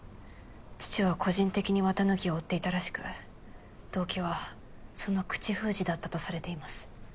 父は個人的に綿貫を追っていたらしく動機はその口封じだったとされています。